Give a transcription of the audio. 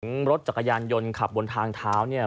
รถจักรยานยนต์ขับบนทางเท้าเนี่ย